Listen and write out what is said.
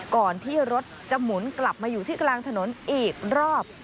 ก่อนที่รถจะหมุนกลับมาอยู่ที่กลางถนนอีกรอบ